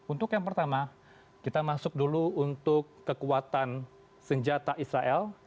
untuk yang pertama kita masuk dulu untuk kekuatan senjata israel